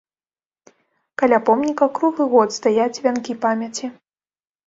Каля помніка круглы год стаяць вянкі памяці.